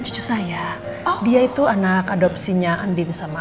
cucu saya oh dia itu anak adopsi nya andien sama al